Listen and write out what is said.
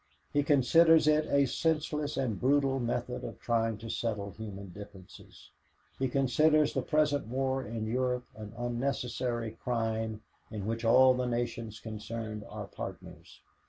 He considers it a senseless and brutal method of trying to settle human differences. He considers the present war in Europe an unnecessary crime in which all the nations concerned are partners.